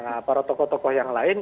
nah para tokoh tokoh yang lain